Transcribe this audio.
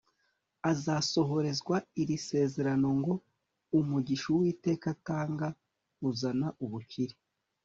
azasohorezwa iri sezerano ngo umugisha uwiteka atanga uzana ubukire